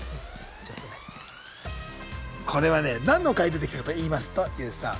これはね何の回出てきたかといいますとＹＯＵさん。